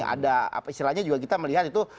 ada apa istilahnya juga kita melihat itu